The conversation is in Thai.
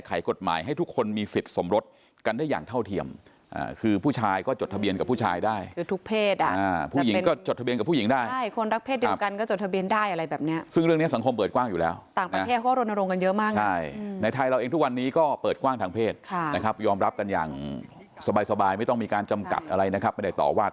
ก็จดทะเบียนกับผู้ชายได้คือทุกเพศอ่ะผู้หญิงก็จดทะเบียนกับผู้หญิงได้ใช่คนรักเพศเดียวกันก็จดทะเบียนได้อะไรแบบเนี้ยซึ่งเรื่องเนี้ยสังคมเปิดกว้างอยู่แล้วต่างประเภทก็โรนโรงกันเยอะมากใช่ในไทยเราเองทุกวันนี้ก็เปิดกว้างทางเพศค่ะนะครับยอมรับกันอย่างสบายสบายไม่ต้องมีการจำกัดอะไรนะ